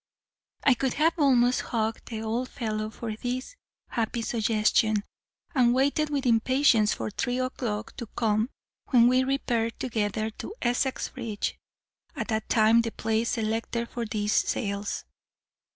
"I could have almost hugged the old fellow for his happy suggestion, and waited with impatience for three o'clock to come, when we repaired together to Essexbridge, at that time the place selected for these sales.